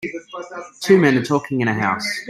Two men are talking in a house.